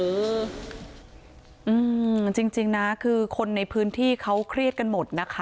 จริงนะคือคนในพื้นที่เขาเครียดกันหมดนะคะ